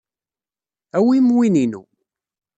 Awim win-inu.